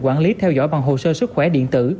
quản lý theo dõi bằng hồ sơ sức khỏe điện tử